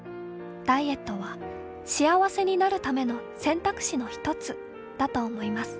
ダイエットは、幸せになるための、選択肢の一つ、だと思います。